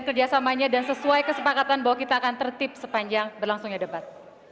kerjasamanya dan sesuai kesepakatan bahwa kita akan tertip sepanjang berlangsungnya debat